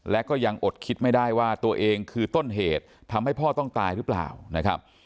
และก็ยังอดคิดไม่ได้ว่าตัวเองคือต้นเหตุทำให้พ่อต้องตายหรือเปล่านะครับ